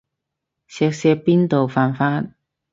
錫錫邊度犯法